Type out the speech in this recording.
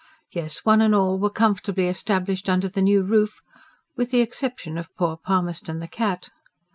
Yes, one and all were comfortably established under the new roof with the exception of poor Palmerston the cat.